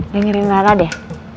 dengerin rara deh